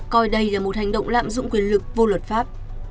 coi đây là một hành động lạm dụng quyền lực vô luật pháp